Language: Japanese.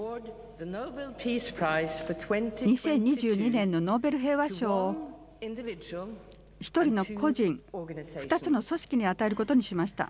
２０２２年のノーベル平和賞を１人の個人、２つの組織に与えることにしました。